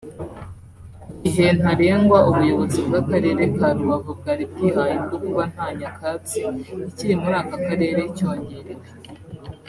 Igihe ntarengwa ubuyobozi bw’akarere ka Rubavu bwari bwihaye bwo kuba nta Nyakatsi ikiri muri aka karere cyongerewe